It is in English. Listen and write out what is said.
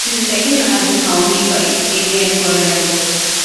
It is the second-largest county by area in Colorado.